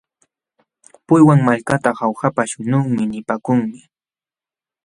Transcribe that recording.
Puywan malkata Jaujapa śhunqunmi nipaakunmi.